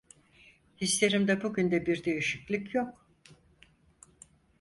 Hislerimde bugün de bir değişiklik yok.